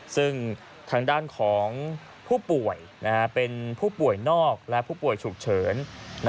ซึ่งทางด้านของผู้ป่วยเป็นผู้ป่วยนอกและผู้ป่วยฉุกเฉิน